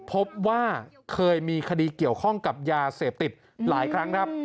พบว่าเคยมีคดีเกี่ยวข้องกับยาเสพติดหลายครั้งครับ